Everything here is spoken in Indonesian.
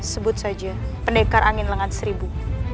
sebut saja pendekar angin lengan seribu